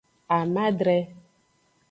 Amadre.